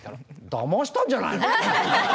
だましたんじゃないの？